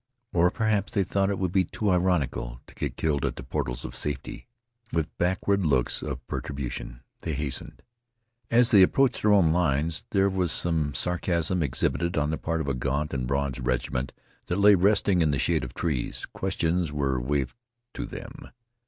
Or, perhaps, they thought it would be too ironical to get killed at the portals of safety. With backward looks of perturbation, they hastened. As they approached their own lines there was some sarcasm exhibited on the part of a gaunt and bronzed regiment that lay resting in the shade of trees. Questions were wafted to them.